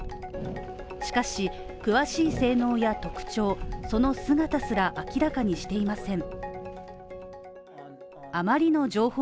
しかし、詳しい性能や特徴、その姿すら明らかにしていません。